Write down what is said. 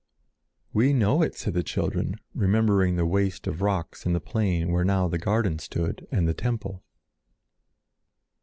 "We know it," said the children, remembering the waste of rocks in the plain where now the garden stood and the temple.